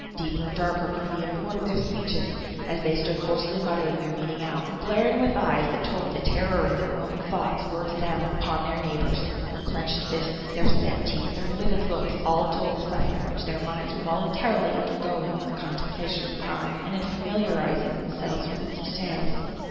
Deeper and darker grew the import of their speeches, as they stood hoarsely muttering their meaning out, and glaring, with eyes that told the terror their own thoughts were to them, upon their neighbours. Their clenched fists, their set teeth, their livid looks, all told the suffering their minds were voluntarily undergoing in the contemplation of crime, and in familiarising themselves with its details.